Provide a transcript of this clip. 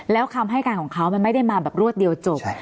แล้วคำให้การของเขามันไม่ได้มาแบบรวดเดียวจบ